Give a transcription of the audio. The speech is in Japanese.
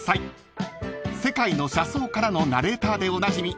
［『世界の車窓から』のナレーターでおなじみ